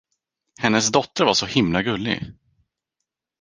Hennes dotter var så himla gullig.